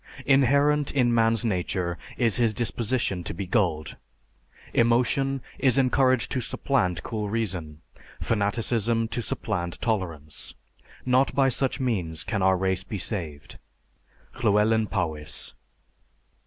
Inherent in man's nature is his disposition to be gulled.... Emotion is encouraged to supplant cool reason, fanaticism to supplant tolerance. Not by such means can our race be saved_. LLEWELYN POWYS.